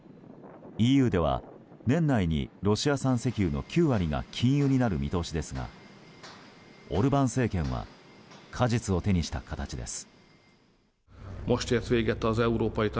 ＥＵでは年内にロシア産石油の９割が禁輸になる見通しですがオルバン政権は果実を手にした形です。